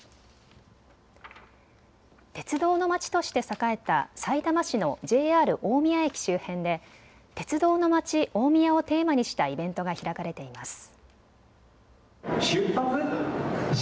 鉄道のまちとして栄えたさいたま市のＪＲ大宮駅周辺で鉄道のまち大宮をテーマにしたイベントが開かれています。